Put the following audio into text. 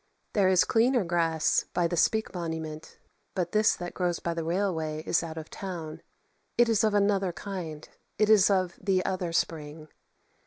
There is cleaner grass by the Speke Monument, but this that grows by the railway is out of town; it is of another kind; it is of the other spring.